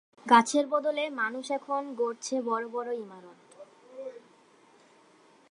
গাছের বদলে মানুষ এখন গড়ছে বড় বড় ইমারত।